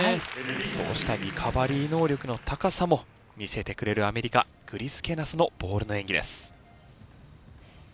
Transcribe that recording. そうしたリカバリー能力の高さも見せてくれるアメリカグリスケナスのボールの演技です。